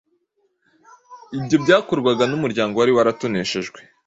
Ibyo byakorwaga n‟umuryango wari waratoneshejwe.